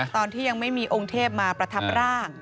ตอนที่ยังไม่มีองค์เทพมาประทับร่าง